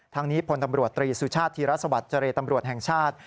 ทั้งนี้พลตำรวจตรีสุชาติธีรสวัสดิ์เจรตำรวจแห่งชาติ